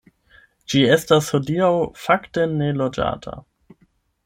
Ĝi estas hodiaŭ fakte neloĝata.